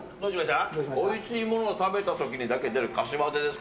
おいしいものを食べた時にだけ出るかしわ手です。